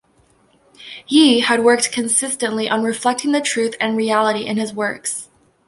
Ye had worked consistently on reflecting the truth and reality in his works.